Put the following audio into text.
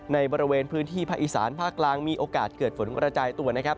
ในบริเวณพื้นที่ภาคอีสานภาคกลางมีโอกาสเกิดฝนกระจายตัวนะครับ